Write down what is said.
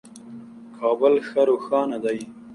کابل ښه روښانه دی.